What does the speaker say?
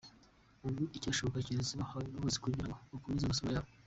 Ubu icyashoboka keretse bahawe imbabazi kugira ngo bakomeze amasomo yabo.